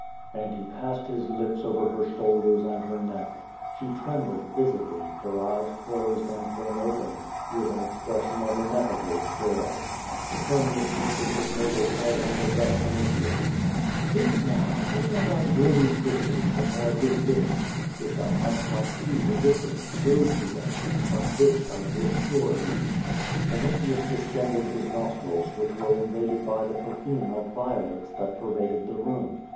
And he passed his lips over her shoulders and her neck. She trembled visibly, her eyes closed and then opened, with an expression of ineffable joy. Petronius lifted his noble head and addressed Yinitius. ^*Think, now, what are thy gloomy Christians compared with this. If thou canst not see the difference, go to them. But this sight will cure thee.'' Vinitius distended his nostrils, which were invaded by the perfume of violets that pervaded the room.